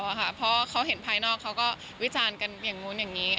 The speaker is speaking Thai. เพราะเขาเห็นภายนอกเขาก็วิจารณ์กันอย่างนู้นอย่างนี้